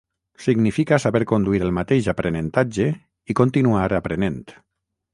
Significa saber conduir el mateix aprenentatge i continuar aprenent.